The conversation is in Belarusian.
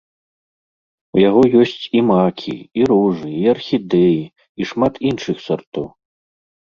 У яе ёсць і макі, і ружы, і архідэі, і шмат іншых сартоў.